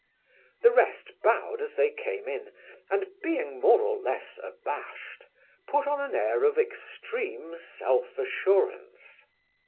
The rest bowed as they came in; and being more or less abashed, put on an air of extreme self assurance.